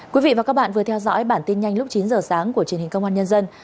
quý vị và các bạn vừa theo dõi bản tin nhanh lúc chín giờ sáng của truyền hình công an nhân dân